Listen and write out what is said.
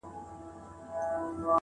• زړه یوسې او پټ یې په دسمال کي کړې بدل.